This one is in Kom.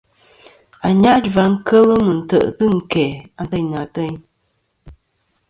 Anyajua kel mɨ tè'tɨ ɨn kæ anteynɨ ateyn.